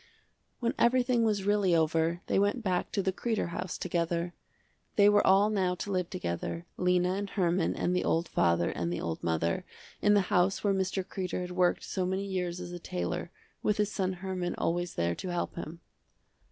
When everything was really over, they went back to the Kreder house together. They were all now to live together, Lena and Herman and the old father and the old mother, in the house where Mr. Kreder had worked so many years as a tailor, with his son Herman always there to help him.